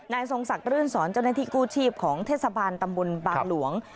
ทรงศักดิรื่นสอนเจ้าหน้าที่กู้ชีพของเทศบาลตำบลบางหลวง